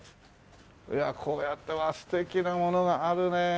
いやこうやって素敵なものがあるね。